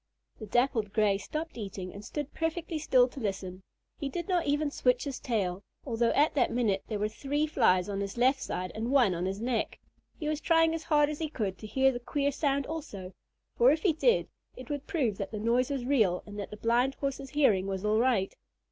The Dappled Gray stopped eating and stood perfectly still to listen. He did not even switch his tail, although at that minute there were three Flies on his left side and one on his neck. He was trying as hard as he could to hear the queer sound also, for if he did, it would prove that the noise was real and that the Blind Horse's hearing was all right.